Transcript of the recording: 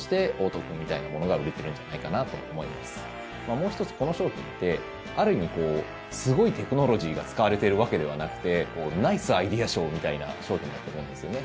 もう１つ、この商品ってある意味すごいテクノロジーが使われているわけではなくてナイスアイデア賞みたいな商品だと思うんですよね。